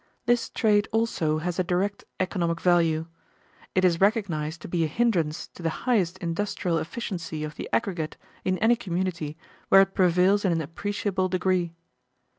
This trait also has a direct economic value. It is recognized to be a hindrance to the highest industrial efficiency of the aggregate in any community where it prevails in an appreciable degree.